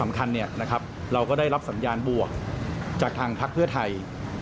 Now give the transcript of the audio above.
แล้วก็ที่สำคัญเราก็ได้รับสัญญาณบวกจากทางทรักเพื่อไทย